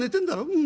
『うん』。